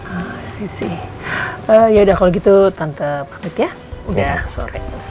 ah isi yaudah kalo gitu tante pamit ya udah sore